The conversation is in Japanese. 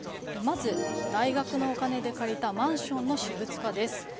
まず、大学のお金で借りたマンションの私物化です。